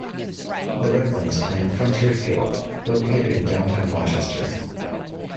The Red Wings play in Frontier Field, located in downtown Rochester.